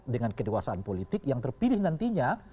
dengan kedewasaan politik yang terpilih nantinya